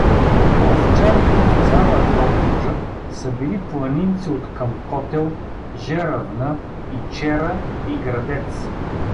Овчарите в цяла Добруджа са били планинци откъм Котел, Жеравна, Ичера и Градец.